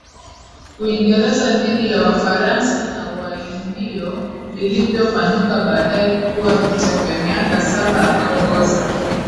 Uingereza dhidi ya Wafaransa na Waindio vilivyopanuka baadaye kuwa Vita ya Miaka Saba Akaongoza